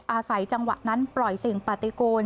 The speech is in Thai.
อาศัยจังหวะนั้นปล่อยสิ่งปฏิกูล